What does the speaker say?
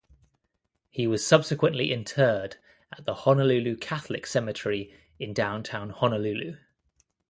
He was subsequently interred at the Honolulu Catholic Cemetery in downtown Honolulu.